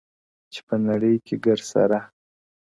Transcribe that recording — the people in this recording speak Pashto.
چي په نړی کي ګرسره